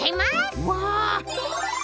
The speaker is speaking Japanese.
うわ！